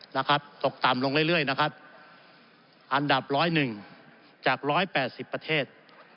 นะครับตกต่ำลงเรื่อยนะครับอันดับ๑๐๑จาก๑๘๐ประเทศ